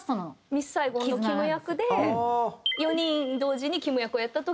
『ミス・サイゴン』のキム役で４人同時にキム役をやった時の。